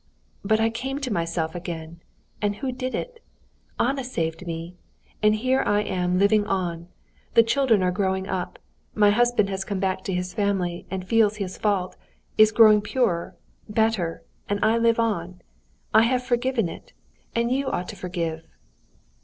But I came to myself again; and who did it? Anna saved me. And here I am living on. The children are growing up, my husband has come back to his family, and feels his fault, is growing purer, better, and I live on.... I have forgiven it, and you ought to forgive!"